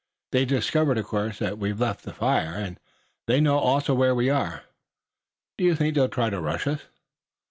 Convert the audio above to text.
"They've discovered, of course, that we've left the fire, and they know also where we are." "Do you think they'll try to rush us?"